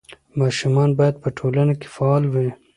ماشومان باید په ټولنه کې فعال وي.